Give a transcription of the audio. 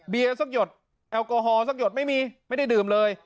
เบียก์สักหยุดแอลกอฮอลยังธุ์สักหยุดไม่มีไม่ได้ดื่มเลย